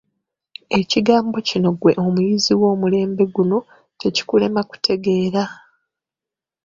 Ekigambo kino ggwe omuyizi ow'omulembe guno tekikulema kutegeera.